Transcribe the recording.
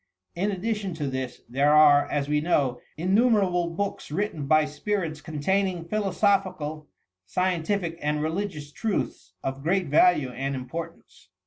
In addition to this there are, as we know, innumerable books written by spirits containing philosophical, scien tific and religious truths of great value and importance.